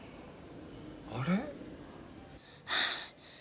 あれ？